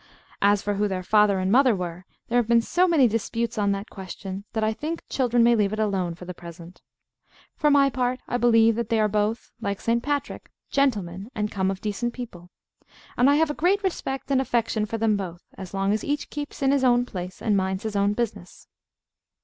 As for who their father and mother were, there have been so many disputes on that question that I think children may leave it alone for the present. For my part, I believe that they are both, like St. Patrick, "gentlemen, and come of decent people;" and I have a great respect and affection for them both, as long as each keeps in his own place and minds his own business.